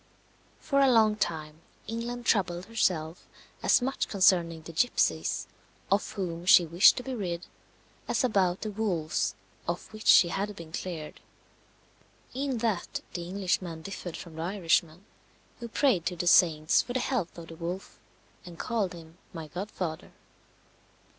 For a long time England troubled herself as much concerning the gipsies, of whom she wished to be rid as about the wolves of which she had been cleared. In that the Englishman differed from the Irishman, who prayed to the saints for the health of the wolf, and called him "my godfather."